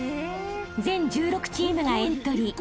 ［全１６チームがエントリー］